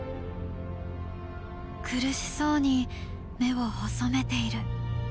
苦しそうに目を細めている。